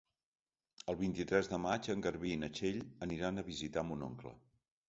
El vint-i-tres de maig en Garbí i na Txell aniran a visitar mon oncle.